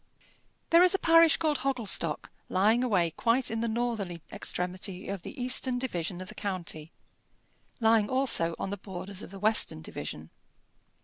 There is a parish called Hogglestock lying away quite in the northern extremity of the eastern division of the county lying also on the borders of the western division.